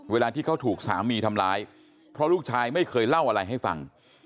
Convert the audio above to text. เวลาที่เขาถูกสามีทำร้ายเพราะลูกชายไม่เคยเล่าอะไรให้ฟัง